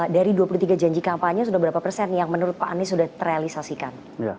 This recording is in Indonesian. dari dua puluh tiga janji kampanye sudah berapa persen yang menurut pak anies sudah terrealisasikan